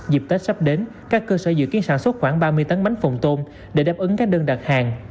dịp tết sắp đến các cơ sở dự kiến sản xuất khoảng ba mươi tấn bánh phồng tôm để đáp ứng các đơn đặt hàng